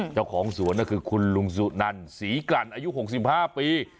เจ้าของสวนก็คือคุณลุงสุนันศรีกลั่นอายุ๖๕ปี